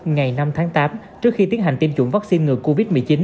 ngày năm tháng tám trước khi tiến hành tiêm chủng vaccine ngừa covid một mươi chín